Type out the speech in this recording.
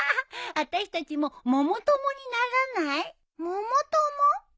あたしたちも百友にならない？ももとも？